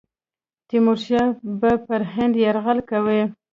تیمورشاه به پر هند یرغل کوي.